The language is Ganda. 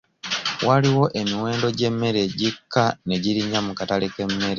Waliwo emiwendo gy'emmere egikka ne girinya mu katale k'emmere.